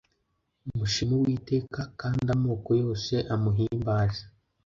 Mushime uwiteka kandi amoko yose amuhimbaze